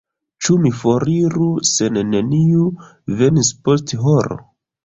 Ĉu mi foriru se neniu venis post horo?